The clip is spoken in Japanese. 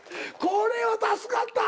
これは助かった！